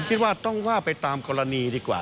คิดว่าต้องว่าไปตามกรณีดีกว่า